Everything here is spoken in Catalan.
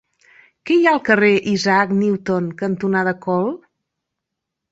Què hi ha al carrer Isaac Newton cantonada Call?